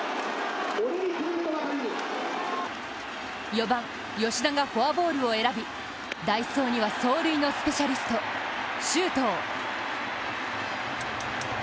４番・吉田がフォアボールを選び、代走には走塁のスペシャリスト・周東。